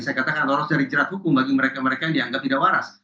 saya katakan lolos dari jerat hukum bagi mereka mereka yang dianggap tidak waras